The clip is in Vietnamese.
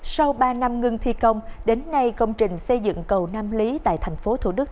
sau ba năm ngưng thi công đến nay công trình xây dựng cầu nam lý tại thành phố thủ đức